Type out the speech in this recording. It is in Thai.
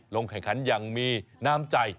ลงแข่งขันอย่างมีน้ำใจ